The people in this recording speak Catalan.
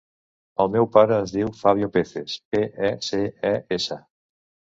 El meu pare es diu Fabio Peces: pe, e, ce, e, essa.